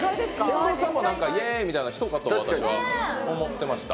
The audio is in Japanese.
近藤さんも「イェ」みたいな人かと私は思ってました